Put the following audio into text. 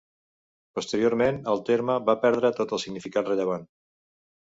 Posteriorment, el terme va perdre tot el significat rellevant.